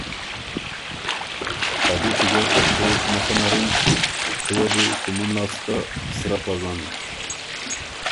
ا دُوچی ګه ترتُو مُخه نر اِن، تُو وه بو کُومُن لاسته سرۀ پزن۔